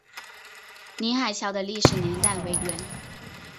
宁海桥的历史年代为元。